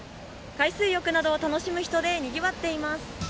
海水浴などを楽しむ人でにぎわっ